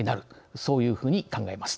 そういうふうに考えます。